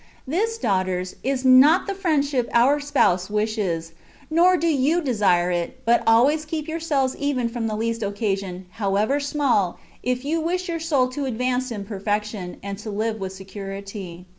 This, daughters, is not the friendship our Spouse wishes ; nor do you desire it, but always keep your selves even from the least occasion, however small, if you wish your soul to advance in perfection, and to Uve with security.